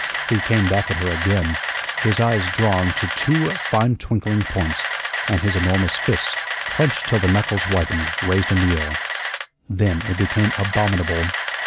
He came back at her again, his eyes drawn to two fine twinkling points, and his enormous fists, clenched till the knuckles whitened, raised in the air. Then it became abominable.